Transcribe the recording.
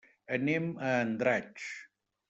Anem a Andratx.